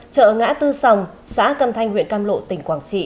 chợ ngã tư sòng xã cam thanh huyện cam lộ tỉnh quảng trị